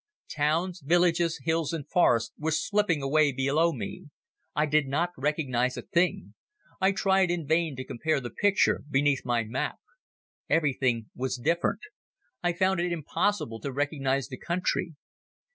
Towns, villages, hills and forests were slipping away below me. I did not recognize a thing. I tried in vain to compare the picture beneath my map. Everything was different. I found it impossible to recognize the country.